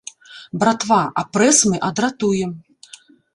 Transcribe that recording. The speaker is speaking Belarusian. Братва, а прэс мы адратуем!